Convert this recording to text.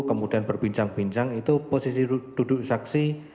kemudian berbincang bincang itu posisi duduk saksi